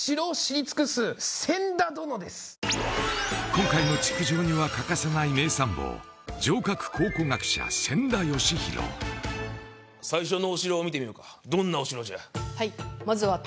今回の築城には欠かせない名参謀最初のお城を見てみようかどんなお城じゃ？